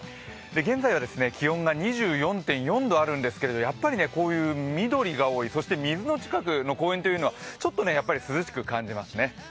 現在は気温が２４．４度あるんですけれどもやっぱりこういう緑が多い、そして水の近くの公園というのはちょっと涼しく感じますね。